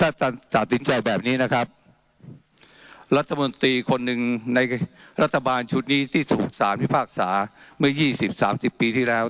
ถ้าท่านตัดสินใจแบบนี้นะครับรัฐมนตรีคนหนึ่งในรัฐบาลชุดนี้ที่ถูกสารพิพากษาเมื่อยี่สิบสามสิบปีที่แล้ว